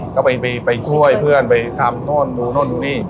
ก็ไปช่วยเพื่อนไปทำโน่นดูโน่นดูนี่